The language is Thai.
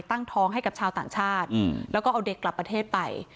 ตั้งท้องให้กับชาวต่างชาติแล้วก็เอาเด็กกลับประเทศไป